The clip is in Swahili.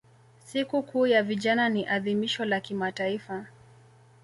Siku kuu ya vijana ni adhimisho la kimataifa